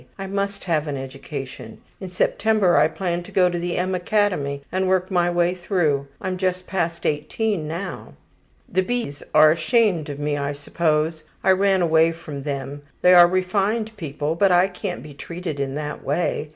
I must have an education. In September I plan to go to the M. Academy and work my way through. I am just past 18 now. ``The B.'s are ashamed of me I suppose. I ran away from them. They are refined people. But I can't be treated in that way.